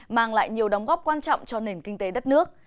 mang lại nhiều đóng góp quan trọng cho nền kinh tế đất nước